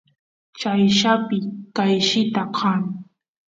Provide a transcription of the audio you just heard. chayllapi qayllita kan